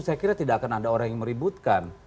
saya kira tidak akan ada orang yang meributkan